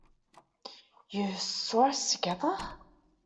You saw us together?